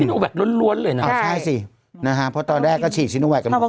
อืมล้วนล้วนเลยน่ะใช่ใช่สินะฮะเพราะตอนแรกก็ฉีด